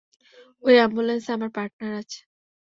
ওই অ্যাম্বুলেন্সে আমার পার্টনার আছে।